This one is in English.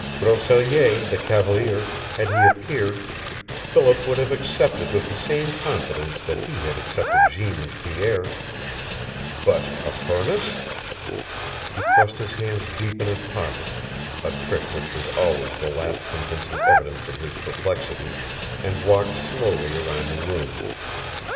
Grosellier, the cavalier, had he appeared, Philip would have accepted with the same confidence that he had accepted Jeanne and Pierre. But a furnace! He thrust his hands deep in his pockets, a trick which was always the last convincing evidence of his perplexity, and walked slowly around the room.